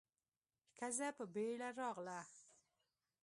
ښځه په بيړه راغله.